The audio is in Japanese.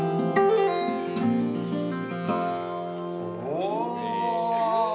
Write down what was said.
お！